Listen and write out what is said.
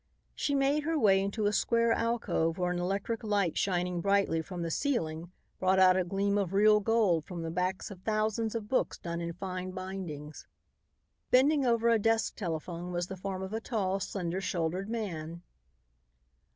She made her way into a square alcove where an electric light shining brightly from the ceiling brought out a gleam of real gold from the backs of thousands of books done in fine bindings. Bending over a desk telephone was the form of a tall, slender shouldered man.